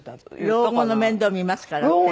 「老後の面倒見ますから」って？